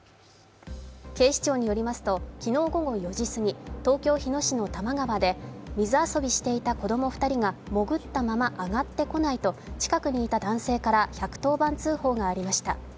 警視庁によりますと、昨日午後４時すぎ、東京・日野市の多摩川で水遊びしていた子供２人が潜ったまま上がってこないと近くにいた男性から１１０番通報がありました。